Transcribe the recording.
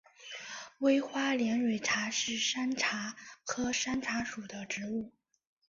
微花连蕊茶是山茶科山茶属的植物。